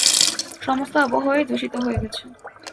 সমস্ত আবহাওয়াই দূষিত হয়ে গেছে।